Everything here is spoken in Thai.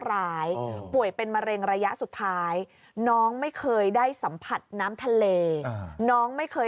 ร้ายป่วยเป็นมะเร็งระยะสุดท้ายน้องไม่เคยได้สัมผัสน้ำทะเลน้องไม่เคย